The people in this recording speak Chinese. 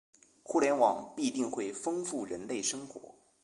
互联网必定会丰富人类生活